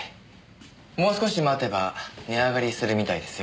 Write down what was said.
もう少し待てば値上がりするみたいですよ。